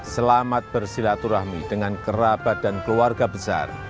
selamat bersilaturahmi dengan kerabat dan keluarga besar